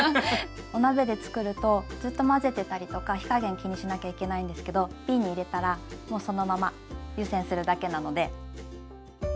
お鍋で作るとずっと混ぜてたりとか火加減気にしなきゃいけないんですけどびんに入れたらもうそのまま湯煎するだけなので。